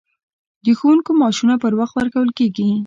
د ښوونکو معاشونه پر وخت ورکول کیږي؟